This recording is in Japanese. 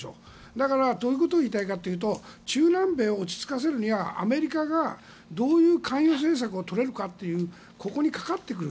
だから、どういうことを言いたいかというと中南米を落ち着かせるにはアメリカが、どういう介入政策をとれるかというここにかかってくる。